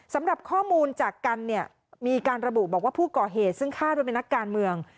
สำหรับข้อมูลจากกันเนี่ยมีการระบุบอกว่าผู้ก่อเหตุซึ่งคาดว่าเป็นนักการเมือง